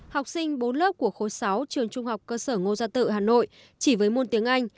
học sinh bốn lớp của khối sáu trường trung học cơ sở ngô gia tự hà nội chỉ với môn tiếng anh